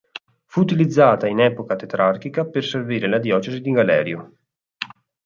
Fu utilizzata in epoca tetrarchica per servire la diocesi di Galerio.